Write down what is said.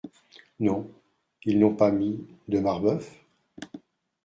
Non ; ils n’ont pas mis : "de Marbeuf" ?